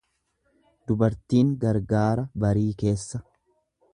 Dubartiin gargaara barii keessa.